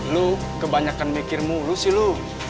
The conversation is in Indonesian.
lu kebanyakan mikirmu lu sih lu